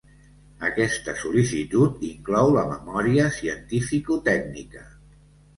Aquesta sol·licitud inclou la memòria cientificotècnica.